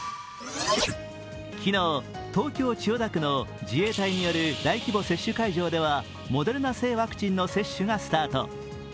昨日、東京・千代田区の自衛隊による大規模接種会場ではモデルナ製ワクチンの接種がスタート。